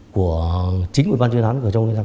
của chính quyền văn chuyên án